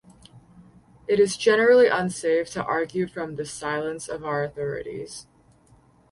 It is generally unsafe to argue from the silence of our authorities.